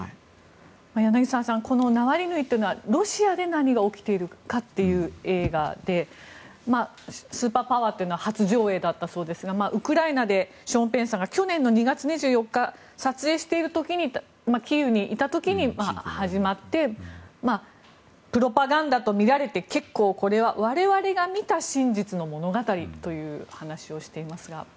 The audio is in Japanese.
柳澤さん「ナワリヌイ」というのはロシアが何が起きているかという映画で「スーパーパワー」というのは初上映だったそうですがウクライナでショーン・ペンさんが去年２月２４日撮影している時にキーウにいた時に始まってプロパガンダと見られて結構これは我々が見た真実の物語という話をしていますが。